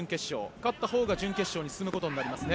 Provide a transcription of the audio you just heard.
勝ったほうが準決勝に進むことになりますね。